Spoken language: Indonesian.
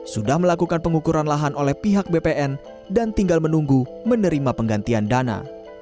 sudah melakukan pengukuran lahan oleh pihak bpn dan tinggal menunggu menerima penggantian dana